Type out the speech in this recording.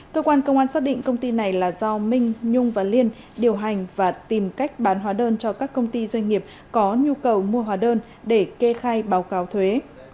cơ quan công an xác định công ty này là do minh nhung và liên điều hành và tìm cách bán hóa đơn cho các công ty doanh nghiệp có nhu cầu mua hóa đơn để kê khai báo cáo thuế